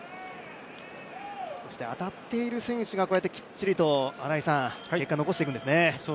当たっている選手がきっちりと結果を残していくんですね。